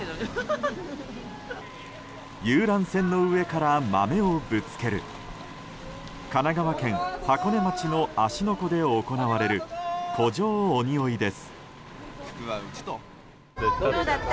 遊覧船の上から豆をぶつける神奈川県箱根町の芦ノ湖で行われる湖上鬼追いです。